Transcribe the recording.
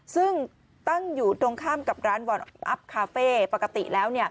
ซึ่งตั้งอยู่ตรงข้ามกับร้านวอนอัพคาเฟ่ปกติแล้ว